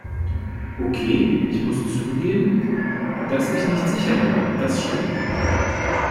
Okay, ich muss zugeben, dass ich nicht sicher bin, ob das stimmt.